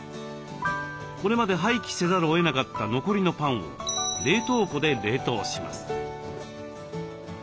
これまで廃棄せざるをえなかった残りのパンを冷凍庫で冷凍します。